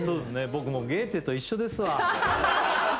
僕もゲーテと一緒ですわ。